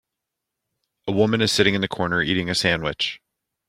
A woman is sitting in the corner eating a sandwich.